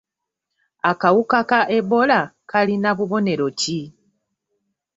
Akawuka ka Ebola kalina bubonero ki?